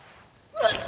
うわっ！